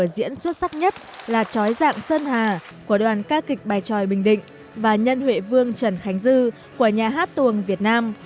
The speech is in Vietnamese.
vở diễn xuất sắc nhất là chói dạng sơn hà của đoàn ca kịch bài tròi bình định và nhân huệ vương trần khánh dư của nhà hát tuồng việt nam